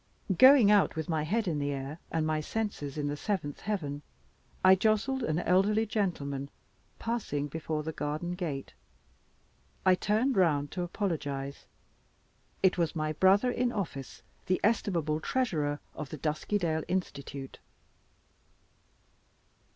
Going out with my head in the air, and my senses in the seventh heaven, I jostled an elderly gentleman passing before the garden gate. I turned round to apologize; it was my brother in office, the estimable Treasurer of the Duskydale Institute.